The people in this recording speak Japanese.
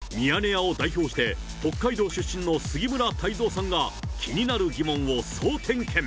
今回、ミヤネ屋を代表して北海道出身の杉村太蔵さんが、気になる疑問を総点検。